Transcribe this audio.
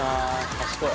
賢い。